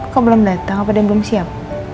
kok belum datang apa dia belum siap